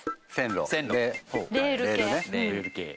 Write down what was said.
レール系。